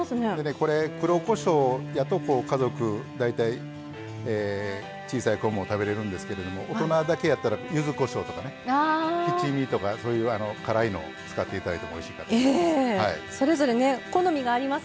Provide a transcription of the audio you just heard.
これ黒こしょうやと家族大体小さい子も食べれるんですけれども大人だけやったらゆずこしょうとかね七味とかそういう辛いのを使っていただいてもおいしいかと思います。